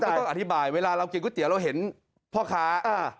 ต้องอธิบายเวลาเรากินก๋วยเตี๋ยวเราเห็นพ่อค้า